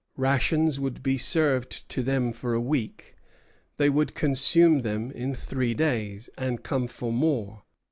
Rations would be served to them for a week; they would consume them in three days, and come for more.